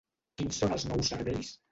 Quins són els nous serveis?